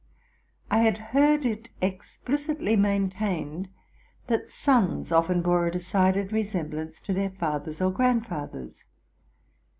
I had heard it ex plicitly maintained, that sons often bore a decided resemblance to their fathers or grandfathers.